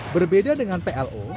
berbeda dengan plo